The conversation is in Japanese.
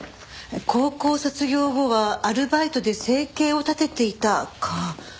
「高校卒業後はアルバイトで生計を立てていた」か。